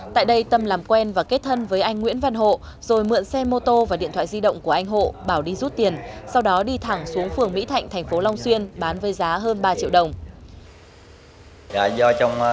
tại đây tâm làm quen và kết thân với anh nguyễn văn hộ rồi mượn xe mô tô và điện thoại di động của anh hộ bảo đi rút tiền sau đó đi thẳng xuống phường mỹ thạnh thành phố long xuyên bán với giá hơn ba triệu đồng